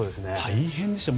大変でした。